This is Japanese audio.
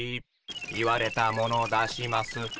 言われたもの出します。